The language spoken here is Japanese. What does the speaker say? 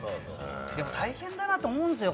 でも大変だなと思うんですよ。